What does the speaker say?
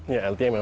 ya lti memang juga